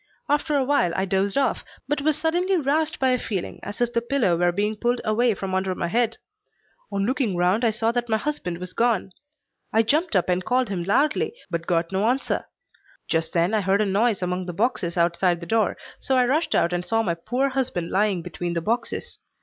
After a while I dozed off, but was suddenly roused by a feeling as if the pillow were being pulled away from under my head. On looking round I found that my husband was gone. I jumped up and called him loudly, but got no answer. Just then I heard a noise among the boxes outside the door, so I rushed out and saw my poor husband lying between the boxes.